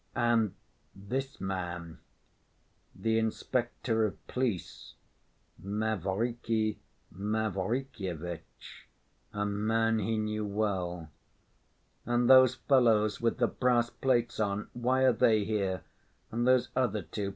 And this man—the inspector of police, Mavriky Mavrikyevitch, a man he knew well. And those fellows with the brass plates on, why are they here? And those other two